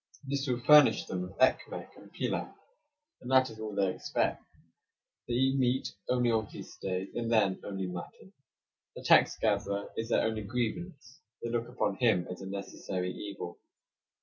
This will furnish them with ekmek and pilaff, and that is all they expect. They eat meat only on feast days, and then only mutton. The tax gatherer is their only grievance; they look upon him as a necessary evil.